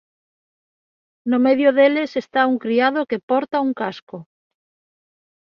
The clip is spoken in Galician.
No medio deles está un criado que porta un casco.